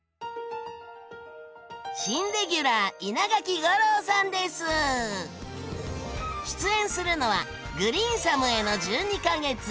新レギュラー出演するのは「グリーンサムへの１２か月」。